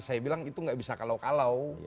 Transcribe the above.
saya bilang itu nggak bisa kalau kalau